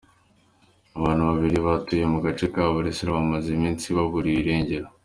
Abantu babiri bari batuye mu gace ka Buleusa bamaze iminsi baburiwe irengero.